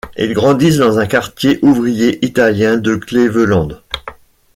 Ils grandissent dans un quartier ouvrier italien de Cleveland.